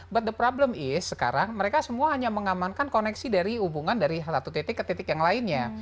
but the problem is sekarang mereka semua hanya mengamankan koneksi dari hubungan dari satu titik ke titik yang lainnya